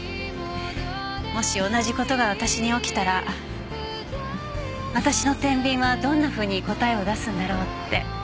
もし同じ事が私に起きたら私の天秤はどんなふうに答えを出すんだろうって。